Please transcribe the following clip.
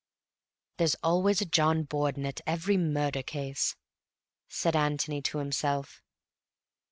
"There's always a John Borden at every murder case," said Antony to himself.